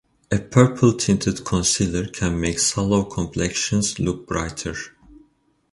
A purple-tinted concealer can make sallow complexions look brighter.